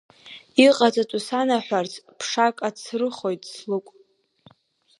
Иҟаҵатәу санаҳәарц ԥшак ацрыхоит слыкә…